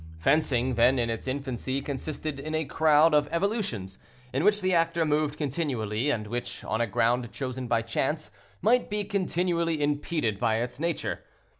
Fencing, then in its infancy, consisted in a crowd of evolutions, in which the actor moved continually, and which, on a ground chosen by chance, might be continually impeded by its nature.